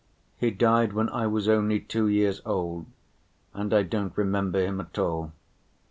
He died when I was only two years old, and I don't remember him at all.